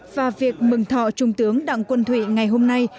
và việc mừng thọ trung tướng đặng quân thụy ngày hôm nay